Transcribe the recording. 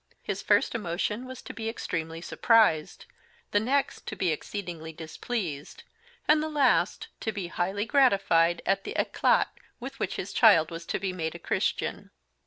His first emotion was to be extremely surprised; the next to be exceedingly displeased; and the last to be highly gratified at the éclat with which his child was to be made a Christian.